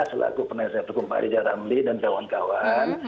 selaku penelitian hukum pak rijal ramli dan kawan kawan